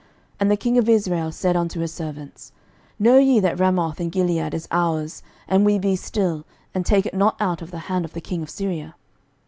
11:022:003 And the king of Israel said unto his servants, Know ye that Ramoth in Gilead is ours, and we be still, and take it not out of the hand of the king of Syria?